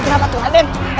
ia harus dikit semua